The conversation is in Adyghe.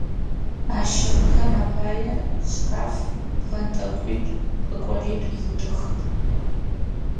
Ащ щыгъынхэм апае шкаф, пкъэнтӏэкӏуитӏу, пӏэкӏоритӏу итых.